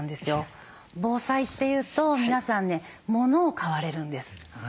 防災っていうと皆さんねものを買われるんです。